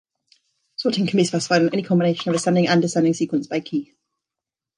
Sorting can be specified on any combination of ascending and descending sequence by key.